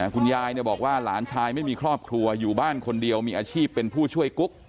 คุณยายบอกว่าหลานชายไม่มีครอบครัวอยู่บ้านคนเดียวมีอาชีพเป็นผู้ช่วยกุ๊ก